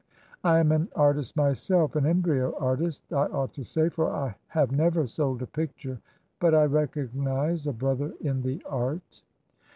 I am an artist myself an embryo artist, I ought to say, for I have never sold a picture but I recognise a brother in the art."